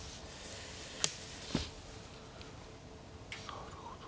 なるほど。